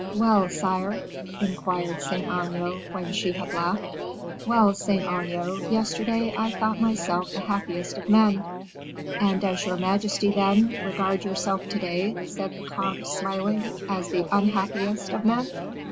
"Well, sire?" inquired Saint Aignan, when she had left. "Well, Saint Aignan, yesterday I thought myself the happiest of men." "And does your majesty, then, regard yourself to day," said the comte, smiling, "as the unhappiest of men?"